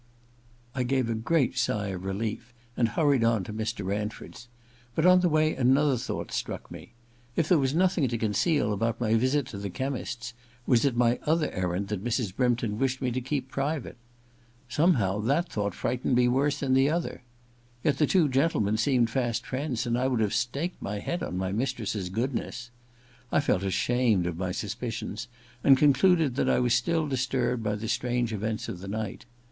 I gave a great sigh of relief and hurried on to Mr. Ranford's. But on the way another thought struck me. If there was nothing to conceal about my visit to the chemist's, was it my other errand that Mrs. Brympton wished me to keep private? Somehow, that thought frightened me worse than the other. Yet the Ill THE LADY'S MAID'S BELL 143 two gentlemen seemed fast friends, and I would have staked my head on my mistress's goodness. I felt ashamed of my suspicions, and concluded that I was still disturbed by the strange events of the night.